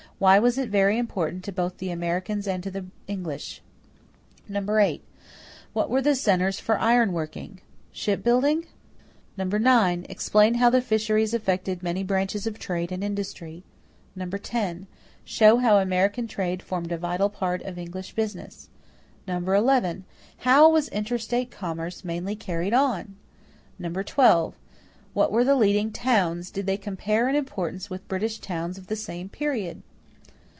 Why was it very important both to the Americans and to the English? 8. What were the centers for iron working? Ship building? 9. Explain how the fisheries affected many branches of trade and industry. 10. Show how American trade formed a vital part of English business. 11. How was interstate commerce mainly carried on? 12. What were the leading towns? Did they compare in importance with British towns of the same period?